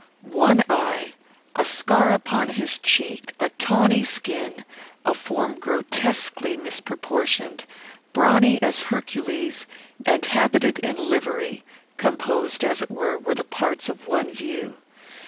One eye, a scar upon his cheek, a tawny skin, a form grotesquely misproportioned, brawny as Hercules, and habited in livery, composed, as it were, the parts of one view.